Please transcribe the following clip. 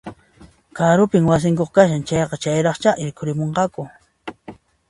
Karupin wasinku kashan, chayqa chayraqchá rikurimunqaku